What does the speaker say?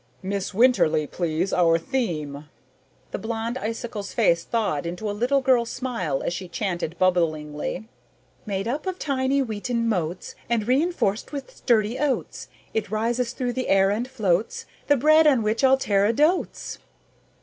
"Miss Winterly, please our theme." The Blonde Icicle's face thawed into a little girl smile as she chanted bubblingly: "_Made up of tiny wheaten motes And reinforced with sturdy oats, It rises through the air and floats The bread on which all Terra dotes!